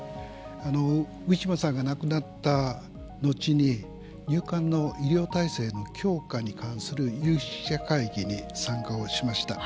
ウィシュマさんが亡くなった後に入管の医療体制の強化に関する有識者会議に参加をしました。